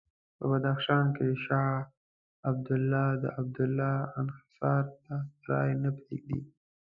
په بدخشان کې شاه عبدالله د عبدالله انحصار ته رایې نه پرېږدي.